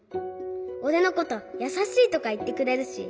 おれのこと「やさしい」とかいってくれるし。